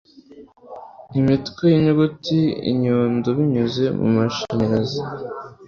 imitwe yinyuguti inyundo binyuze mumashanyarazi